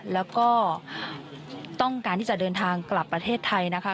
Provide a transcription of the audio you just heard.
แล้วก็ต้องการที่จะเดินทางกลับประเทศไทยนะคะ